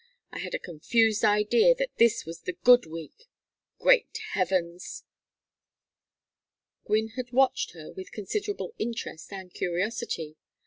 I had a confused idea that this was the 'good week.' Great heavens!" Gwynne had watched her with considerable interest and curiosity.